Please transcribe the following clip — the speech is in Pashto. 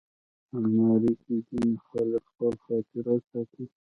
الماري کې ځینې خلک خپل خاطرات ساتي